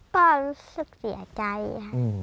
ก็รู้สึกเสียใจ